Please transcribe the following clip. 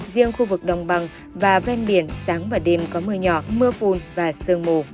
riêng khu vực đồng bằng và ven biển sáng và đêm có mưa nhỏ mưa phùn và sương mù